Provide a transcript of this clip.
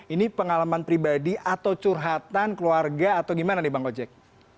ini pengalaman pribadi atau curhatan keluarga atau gimana nih bang ojek